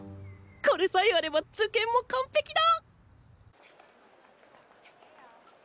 これさえあれば受験もかんぺきだ！